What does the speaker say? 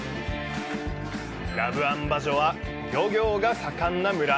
ラブアンバジョは漁業が盛んな村。